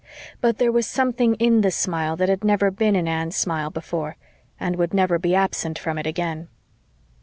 But there was something in the smile that had never been in Anne's smile before and would never be absent from it again.